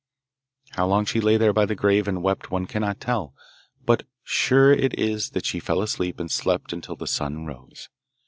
How long she lay there by the grave and wept one cannot tell, but sure it is that she fell asleep and slept until the sun rose.